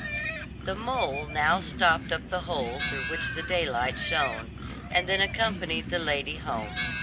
The mole now stopped up the hole through which the daylight shone, and then accompanied the lady home.